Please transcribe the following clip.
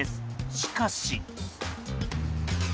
しかし。